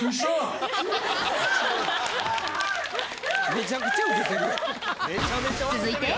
めちゃくちゃウケてるやん。